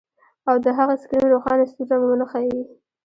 او د هغه سکرین روښانه سور رنګ ونه ښيي